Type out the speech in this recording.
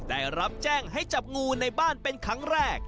ได้รับแจ้งให้จับงูในบ้านเป็นครั้งแรก